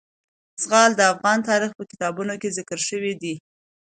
زغال د افغان تاریخ په کتابونو کې ذکر شوی دي.